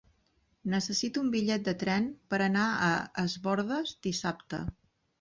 Necessito un bitllet de tren per anar a Es Bòrdes dissabte.